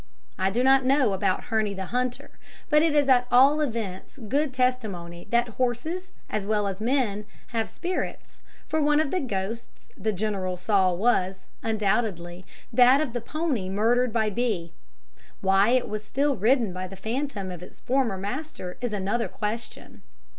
I do not know about Herne the Hunter, but it is at all events good testimony that horses as well as men have spirits, for one of the ghosts the General saw was, undoubtedly, that of the pony murdered by B. Why it was still ridden by the phantom of its former master is another question.